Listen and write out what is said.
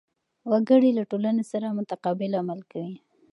وګړي له ټولنې سره متقابل عمل کوي.